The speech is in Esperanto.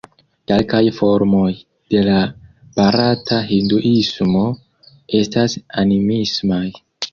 Kelkaj formoj de la barata Hinduismo estas animismaj.